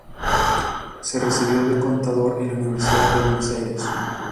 Se recibió de contador en la Universidad de Buenos Aires.